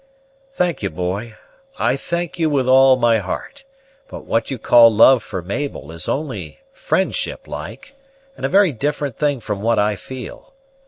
"Thank'e, boy; I thank you with all my heart; but what you call love for Mabel is only friendship like, and a very different thing from what I feel.